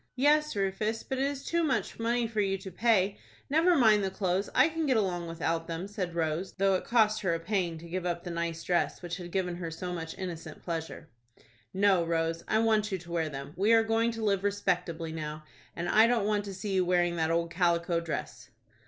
"Yes, Rufus; but it is too much money for you to pay. Never mind the clothes. I can get along without them," said Rose, though it cost her a pang to give up the nice dress which had given her so much innocent pleasure. "No, Rose, I want you to wear them. We are going to live respectably now, and I don't want to see you wearing that old calico dress."